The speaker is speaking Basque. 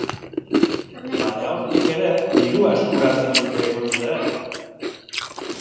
Baina hortik ere dirua eskuratzen dute ekoizleek.